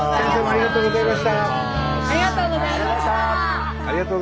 ありがとうございます。